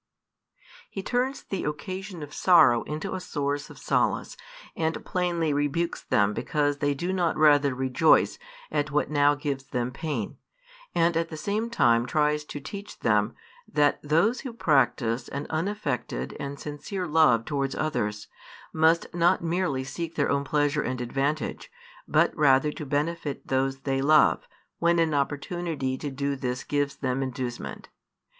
He turns the occasion of sorrow into a source of solace, and plainly rebukes them because they do not rather rejoice at what now gives them pain: and at the same time tries to teach them, that those who practise an unaffected and sincere love towards others, must not merely seek their own pleasure and advantage, but rather to benefit those they love, when an opportunity to do this gives them inducement.